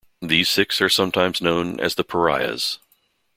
These six are sometimes known as the pariahs.